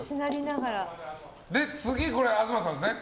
次、東さんですね。